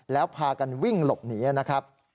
แล้วพากันวิ่งหลบหนีนะครับ